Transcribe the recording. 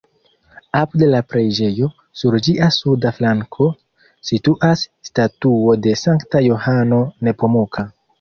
Apud la preĝejo, sur ĝia suda flanko, situas statuo de Sankta Johano Nepomuka.